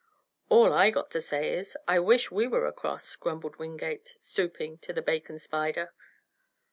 "All I got to say is, I wish we were across," grumbled Wingate, stooping to the bacon spider.